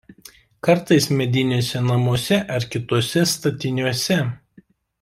Kartais mediniuose namuose ar kituose statiniuose.